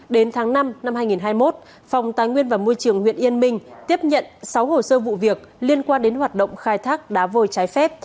đến tháng năm năm hai nghìn hai mươi một phòng tài nguyên và môi trường huyện yên minh tiếp nhận sáu hồ sơ vụ việc liên quan đến hoạt động khai thác đá vôi trái phép